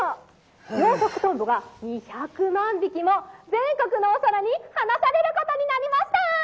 養殖トンボが２００万匹も全国のお空に放されることになりました」。